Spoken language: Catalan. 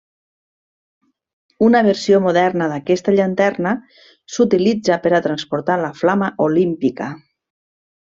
Una versió moderna d'aquesta llanterna s'utilitza per a transportar la flama olímpica.